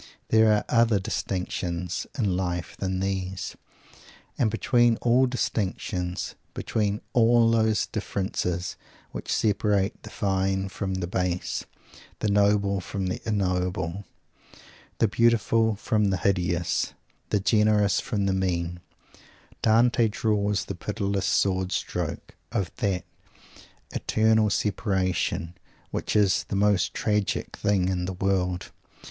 There are other distinctions in life than these. And between all distinctions, between all those differences which separate the "fine" from the "base," the noble from the ignoble, the beautiful from the hideous, the generous from the mean; Dante draws the pitiless sword stroke of that "eternal separation" which is the most tragic thing in the world.